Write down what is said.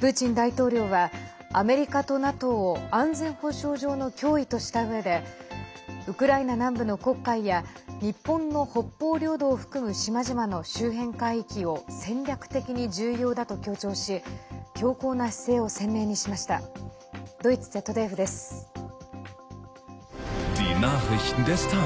プーチン大統領はアメリカとＮＡＴＯを安全保障上の脅威としたうえでウクライナ南部の黒海や日本の北方領土を含む島々の周辺海域を戦略的に重要だと強調し強硬な姿勢を鮮明にしました。